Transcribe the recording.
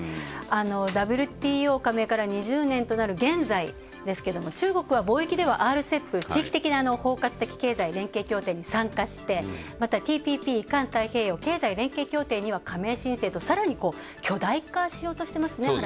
ＷＴＯ加盟から２０年となる現在ですけども中国は貿易ではＲＣＥＰ＝地域的な包括的経済連携協定に参加して、またＴＰＰ＝環太平洋経済連携協定には加盟申請と、さらに巨大化しようとしてますね。